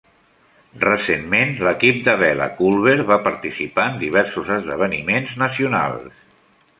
Recentment, l'equip de vela Culver va participar en diversos esdeveniments nacionals.